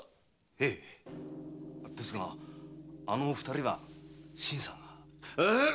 へいですがあのお二人は新さんが。